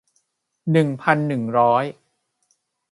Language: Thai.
หนึ่งพันหนึ่งร้อย